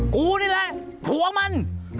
กูนี่แหละผัวมัน